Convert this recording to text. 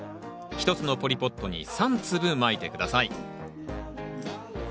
１つのポリポットに３粒まいて下さい。